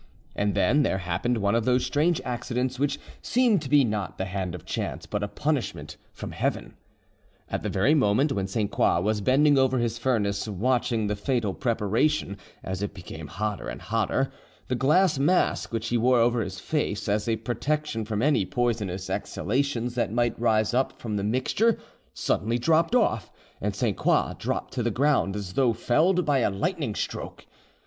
And then there happened one of those strange accidents which seem to be not the hand of chance but a punishment from Heaven. At the very moment when Sainte Croix was bending over his furnace, watching the fatal preparation as it became hotter and hotter, the glass mask which he wore over his face as a protection from any poisonous exhalations that might rise up from the mixture, suddenly dropped off, and Sainte Croix dropped to the ground as though felled by a lightning stroke.